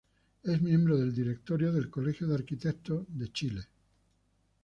Es miembro del Directorio del Colegio de Arquitectos de Chile.